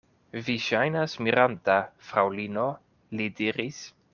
Vi ŝajnas miranta, fraŭlino, li diris.